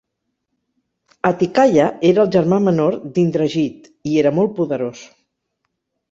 Atikaya era el germà menor d'Indrajit, i era molt poderós.